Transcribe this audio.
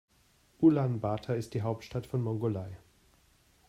Ulaanbaatar ist die Hauptstadt von Mongolei.